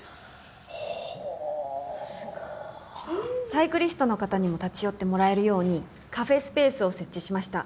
サイクリストの方にも立ち寄ってもらえるようにカフェスペースを設置しました。